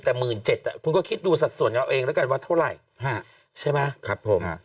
๕๐๐๐๐แต่๑๗๐๐๐คุณก็คิดดูสัดส่วนเราเองแล้วกันว่าเท่าไหร่ใช่ไหม